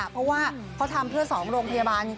เพราะว่าเขาทำเพื่อ๒โรงพยาบาล